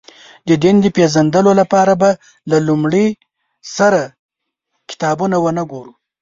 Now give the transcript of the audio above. د دین د پېژندلو لپاره به له لومړي سره کتابونه ونه ګورو.